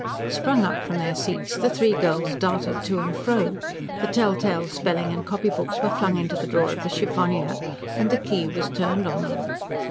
Sprung up from their seats the three girls darted to and fro. The telltale spelling and copy books were flung into the drawer of the chiffonier, and the key was turned on them.